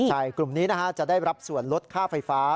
ใช่กลุ่มนี้จะได้รับส่วนลดค่าไฟฟ้า